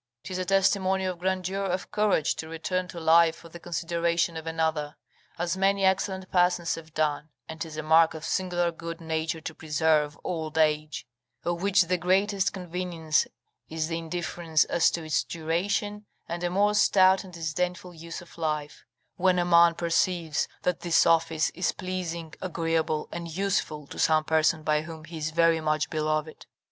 'Tis a testimony of grandeur of courage to return to life for the consideration of another, as many excellent persons have done: and 'tis a mark of singular good nature to preserve old age (of which the greatest convenience is the indifference as to its duration, and a more stout and disdainful use of life), when a man perceives that this office is pleasing, agreeable, and useful to some person by whom he is very much beloved.